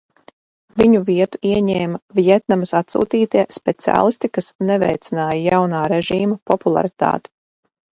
Viņu vietu ieņēma Vjetnamas atsūtītie speciālisti, kas neveicināja jaunā režīma popularitāti.